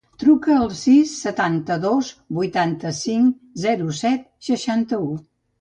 Truca al sis, setanta-dos, vuitanta-cinc, zero, set, seixanta-u.